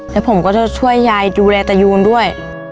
แล้วผมก็จะช่วยยายดูแลตะยูนด้วย